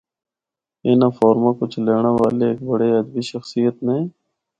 اناں فورماں کو چلینڑا والے ہک بڑی ادبی شخصیت نے۔